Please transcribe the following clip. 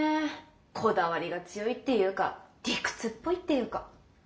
こだわりが強いっていうか理屈っぽいっていうか。